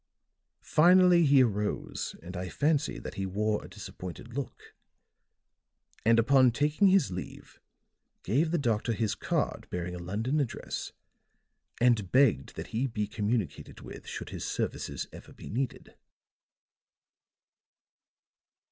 Finally he arose, and I fancied that he wore a disappointed look; and upon taking his leave gave the doctor his card bearing a London address and begged that he be communicated with should his services ever be needed.